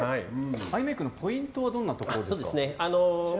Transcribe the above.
アイメイクのポイントはどんなところですか。